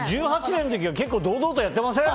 １８年の時は結構堂々とやってません？